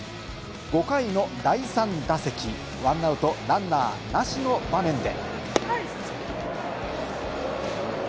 ５回の第３打席、１アウトランナーなしの場面で。